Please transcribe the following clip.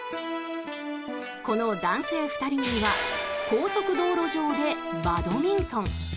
この男性２人組は高速道路上でバドミントン。